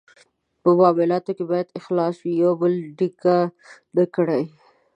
په معالاتو کې باید اخلاص وي، یو بل ډیکه نه کړي.